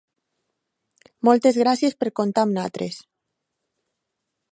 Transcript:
Moltes gràcies per comptar amb nosaltres.